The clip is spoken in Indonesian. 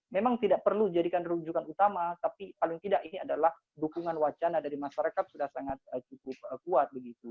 memang tidak perlu dijadikan rujukan utama tapi paling tidak ini adalah dukungan wacana dari masyarakat sudah sangat cukup kuat begitu